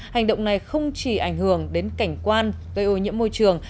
hành động này không chỉ ảnh hưởng đến cảnh quan gây ô nhiễm môi trường